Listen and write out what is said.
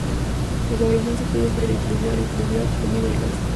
La población se quedó sin agua, electricidad, comida y gas.